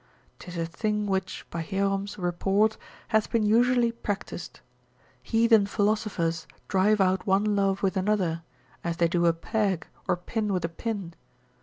'Tis a thing which, by Hierom's report, hath been usually practised. Heathen philosophers drive out one love with another, as they do a peg, or pin with a pin.